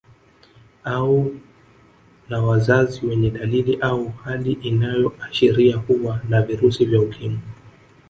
Au na wazazi wenye dalili au hali inayoashiria kuwa na virusi vya Ukimwi